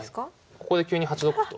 ここで急に８六歩と。